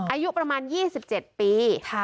อายุประมาณ๒๗ปี